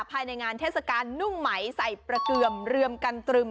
ภายในงานเทศกาลนุ่งไหมใส่ประเกือมเรือมกันตรึม